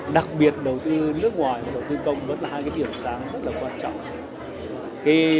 đặc biệt đầu tư nước ngoài và đầu tư công vẫn là hai điểm sáng rất là quan trọng